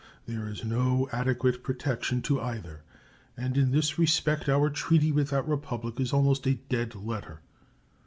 There is no adequate protection to either, and in this respect our treaty with that Republic is almost a dead letter.